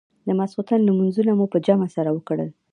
د ماخستن لمونځونه مو په جمع سره وکړل.